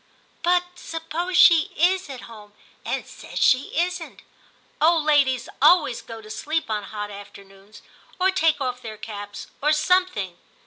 ' But suppose she is at home and says she isn't. Old ladies always go to sleep on hot afternoons, or take off their caps, or some thing.